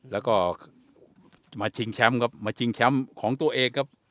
แล้วก็มาชิงแชมป์ครับมาชิงแชมป์ของตัวเองครับ